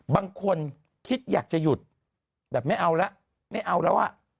บางคนคิดอยากจะหยุดแบบไม่เอาแล้วไม่เอาแล้วอ่ะ